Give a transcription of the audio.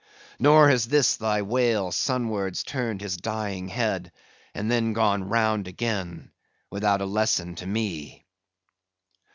Nor has this thy whale sunwards turned his dying head, and then gone round again, without a lesson to me.